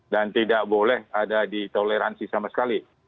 dan tidak boleh ada di toleransi sama sekali